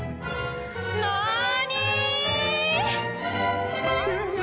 なに⁉